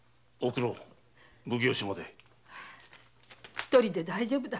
一人で大丈夫だ。